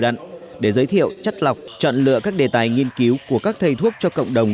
đặn để giới thiệu chắt lọc chọn lựa các đề tài nghiên cứu của các thầy thuốc cho cộng đồng